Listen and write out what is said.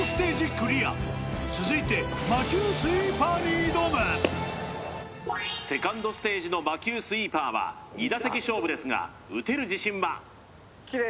クリア続いて魔球スイーパーに挑むセカンドステージの魔球スイーパーは２打席勝負ですが打てる自信は？